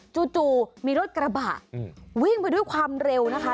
จู่มีรถกระบะวิ่งไปด้วยความเร็วนะคะ